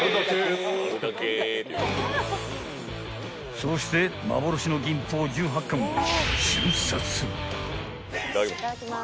［そうして幻の銀宝１８貫を］いただきます。